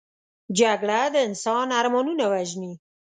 جګړه د انسان ارمانونه وژني